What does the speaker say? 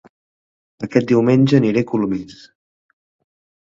Aquest diumenge aniré a Colomers